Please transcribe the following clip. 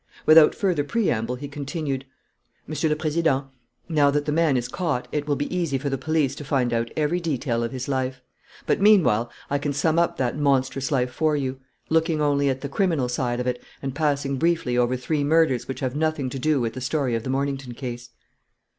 Without further preamble, he continued: "Monsieur le Président, now that the man is caught, it will be easy for the police to find out every detail of his life. But meanwhile I can sum up that monstrous life for you, looking only at the criminal side of it, and passing briefly over three murders which have nothing to do with the story of the Mornington case.